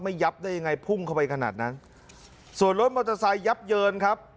ยับได้ยังไงพุ่งเข้าไปขนาดนั้นส่วนรถมอเตอร์ไซคยับเยินครับ